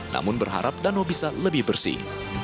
namun berharap danau bisa lebih bersih